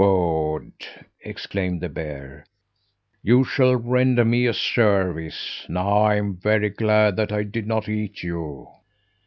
"Good!" exclaimed the bear. "You shall render me a service. Now I'm very glad that I did not eat you!"